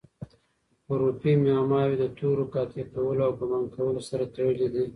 حروفي معماوي د تورو د قاطع کولو او ګومان کولو سره تړلي دي.